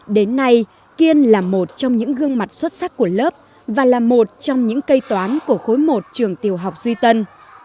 đến nay kiên là một trong những gương mặt xuất sắc của lớp và là một trong những cây toán của khối một trường tiểu học duy tân